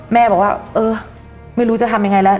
แม่บอกว่าเออไม่รู้จะทำยังไงแล้ว